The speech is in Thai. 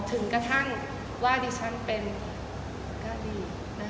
ถึงกระทั่งว่าดิฉันเป็นก็ดี